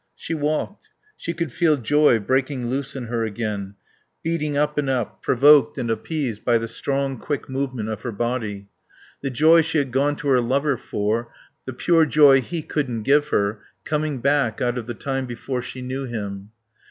She walked. She could feel joy breaking loose in her again, beating up and up, provoked and appeased by the strong, quick movement of her body. The joy she had gone to her lover for, the pure joy he couldn't give her, coming back out of the time before she knew him.